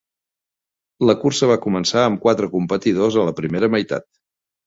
La cursa va començar amb quatre competidors a la primera meitat.